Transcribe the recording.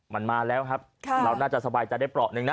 มันมาแล้วครับเราน่าจะสบายใจได้เปราะหนึ่งนะ